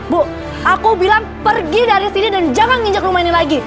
bu aku bilang pergi dari sini dan jangan nginjak rumah ini lagi